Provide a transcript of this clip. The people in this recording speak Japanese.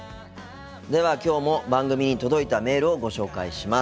ではきょうも番組に届いたメールをご紹介します。